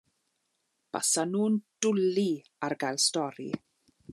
Basan nhw'n dwli ar gael stori.